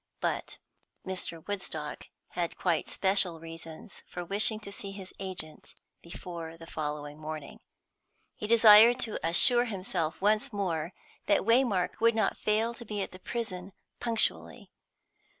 But Mr. Woodstock had quite special reasons for wishing to see his agent before the following morning; he desired to assure himself once more that Waymark would not fail to be at the prison punctually.